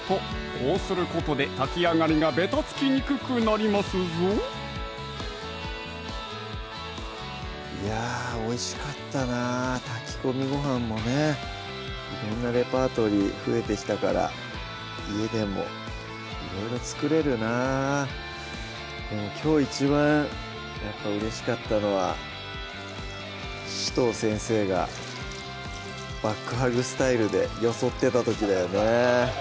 こうすることで炊き上がりがべたつきにくくなりますぞいやおいしかったなぁ炊き込みごはんもね色んなレパートリー増えてきたから家でもいろいろ作れるなぁでもきょう一番うれしかったのは紫藤先生がバックハグスタイルでよそってた時だよね